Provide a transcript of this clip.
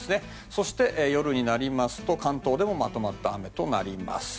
そして、夜になりますと関東でもまとまった雨となります。